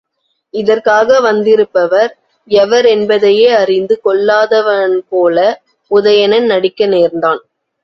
இதற்காக வந்திருப்பவர் எவரென்பதையே அறிந்து கொள்ளாதவன்போல உதயணன் நடிக்க நேர்ந்தது.